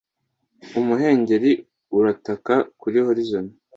Umuhengeri urataka kuri horizon